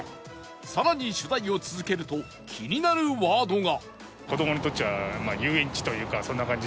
さらに取材を続けると気になるワードが